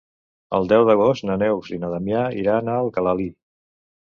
El deu d'agost na Neus i na Damià iran a Alcalalí.